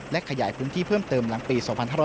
และขยายพื้นที่เพิ่มเติมหลังปี๒๕๕๙